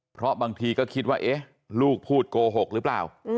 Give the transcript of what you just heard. เพราะบางทีก็คิดว่าลูกพูดโกหกหรือเปล่า